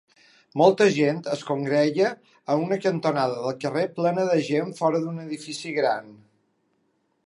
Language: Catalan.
Molta gent es congrega a una cantonada del carrer plena de gent fora d'un edifici gran.